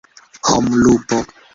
homlupo